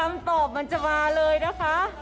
คำตอบมันจะมาเลยนะคะ